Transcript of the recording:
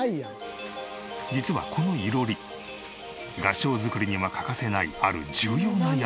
実はこの囲炉裏合掌造りには欠かせないある重要な役割が。